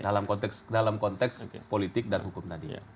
dalam konteks dalam konteks politik dan hukum tadi